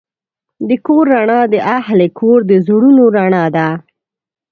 د کور رڼا د اهلِ کور د زړونو رڼا ده.